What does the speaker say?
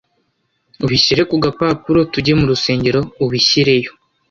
ubishyire ku gapapuro tujye mu rusengero ubishyireyo